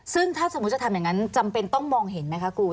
ซึ่งถ้าสมมุติจะทำอย่างนั้นจำเป็นต้องมองเห็นไหมคะครู